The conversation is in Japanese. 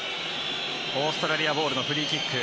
オーストラリアボールのフリーキック。